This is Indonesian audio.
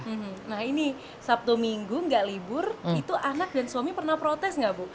hmm nah ini sabtu minggu nggak libur itu anak dan suami pernah protes nggak bu